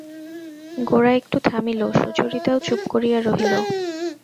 গোরা একটু থামিল, সুচরিতাও চুপ করিয়া রহিল।